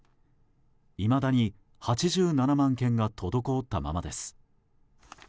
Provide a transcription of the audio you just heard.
いまだに８７万件が滞ったままです。